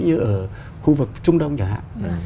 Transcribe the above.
như ở khu vực trung đông chẳng hạn